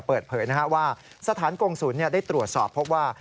เปิดเผยว่าสถานกงศูนย์ได้ตรวจสอบพบว่า